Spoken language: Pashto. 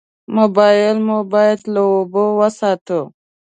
موبایل مو باید له اوبو وساتو.